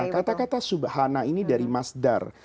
kata kata subhana ini dari masdar